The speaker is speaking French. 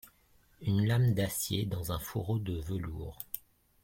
Une lame d'acier dans un fourreau de velours !